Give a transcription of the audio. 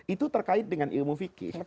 itu terkait dengan ilmu fikih